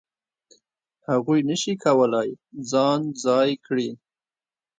هغوی نه شي کولای ځان ځای کړي.